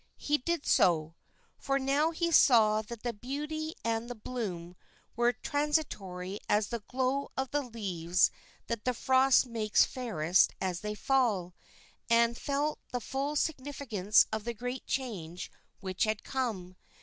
He did so, for now he saw that the beauty and the bloom were transitory as the glow of leaves that frost makes fairest as they fall, and felt the full significance of the great change which had come.